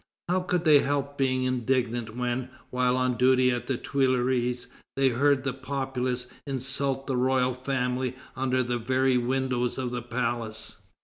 How could they help being indignant when, while on duty at the Tuileries, they heard the populace insult the royal family under the very windows of the palace?